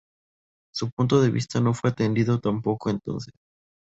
Su punto de vista no fue atendido tampoco entonces.